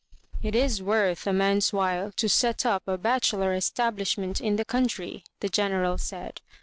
"It is worth a man^s while to set up a bachelor establishment in the country," the General said.